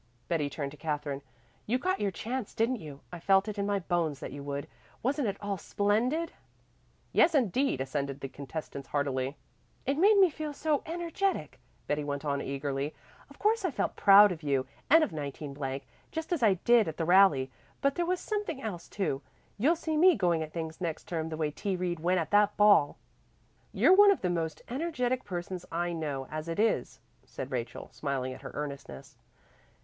Betty turned to Katherine. "You got your chance, didn't you? I felt it in my bones that you would. Wasn't it all splendid?" "Yes indeed," assented the contestants heartily. "It made me feel so energetic," Betty went on eagerly. "Of course I felt proud of you and of 19 , just as I did at the rally, but there was something else, too. You'll see me going at things next term the way T. Reed went at that ball." "You're one of the most energetic persons I know, as it is," said Rachel, smiling at her earnestness.